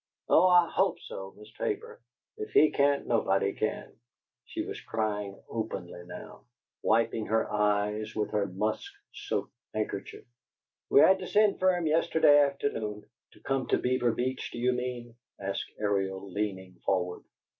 "Oh, I HOPE so, Miss Tabor! If he can't, nobody can." She was crying openly now, wiping her eyes with her musk soaked handkerchief. "We had to send fer him yesterday afternoon " "To come to Beaver Beach, do you mean?" asked Ariel, leaning forward.